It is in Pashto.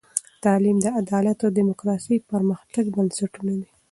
تعلیم، عدالت او دیموکراسي د پرمختګ بنسټونه دي.